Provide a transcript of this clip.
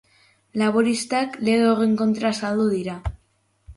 Laboristak lege horren kontra azaldu dira.